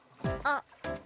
あっ。